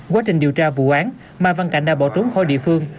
quá trình điều tra vụ án mai văn cảnh đã bỏ trốn khỏi địa phương